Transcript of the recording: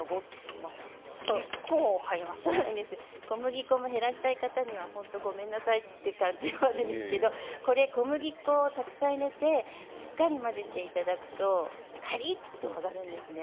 小麦粉を減らしたい方には本当ごめんなさいという感じなんですけど小麦粉をたくさん入れてしっかり混ぜていただくとカリっと揚がるんですね。